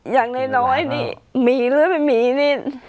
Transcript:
อย่างน้อยนี่มีหรือไม่มีนี่